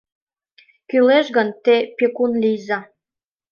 — Кӱлеш гын, те пекун лийза!